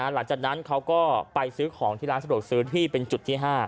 หลังจากนั้นเขาก็ไปซื้อของที่ร้านสะดวกซื้อที่เป็นจุดที่๕